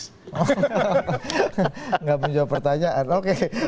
tidak menjawab pertanyaan oke